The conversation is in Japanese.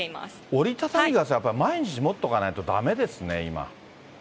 折り畳み傘、やっぱり毎日持っとかないとだめですね、今。